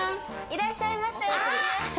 いらっしゃいませ。